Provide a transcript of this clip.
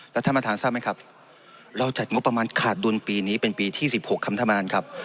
แล้วท่านประธานทราบไหมครับเราจัดงบประมาณขาดดุลปีนี้เป็นปีที่๑๖ครับท่านประธานครับ